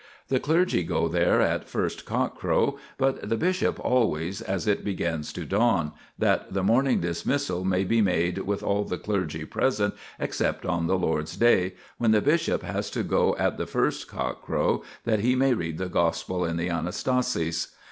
The clergy go there at first cockcrow, but the bishop always as it begins to dawn, that the morning dismissal maybe made with all the clergy present ex cept on the Lord's Day, when (the bishop) has to go at the first cockcrow, that he may read the Gospel in the Anastasis.